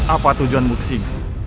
apa tujuan buksin